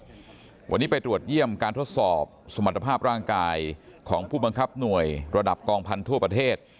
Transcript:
วันนี้ไปตรวจเยี่ยมการทดสอบสมรรถภาพร่างกายของผู้บังคับหน่วยระดับกองพันธุ์ทั่วประเทศ